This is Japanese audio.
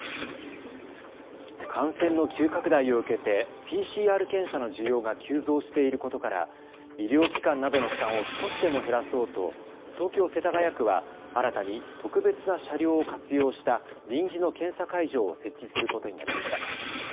感染の急拡大を受けてＰＣＲ検査の需要が急増していることから医療機関などの負担を少しでも減らそうと東京世田谷区は新たに特別な車両を活用した臨時の検査会場を設置することになりました。